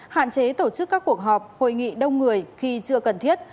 hạn chế tổ chức các cuộc họp hội nghị đông người khi chưa cần thiết